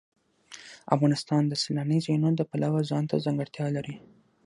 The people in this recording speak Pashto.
افغانستان د سیلانی ځایونه د پلوه ځانته ځانګړتیا لري.